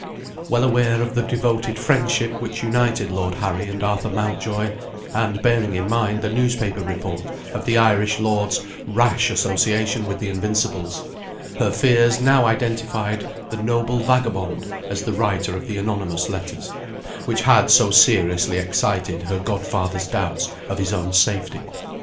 Well aware of the devoted friendship which united Lord Harry and Arthur Mountjoy and bearing in mind the newspaper report of the Irish lord's rash association with the Invincibles her fears now identified the noble vagabond as the writer of the anonymous letters, which had so seriously excited her godfather's doubts of his own safety.